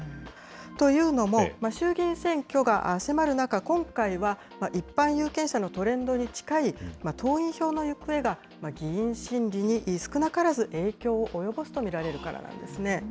というのも、衆議院選挙が迫る中、今回は一般有権者のトレンドに近い党員票の行方が、議員心理に少なからず影響を及ぼすと見られるからなんですね。